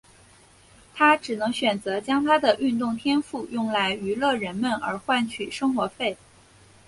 他只能选择将他的运动天赋用来娱乐人们而换取生活费。